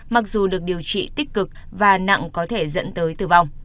mặc dù được điều trị tích cực và nặng có thể dẫn tới tử vong